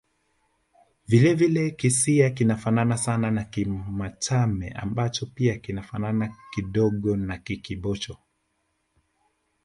Vile vile Kisiha kinafanana sana na Kimachame ambacho pia kinafanana kidogo na Kikibosho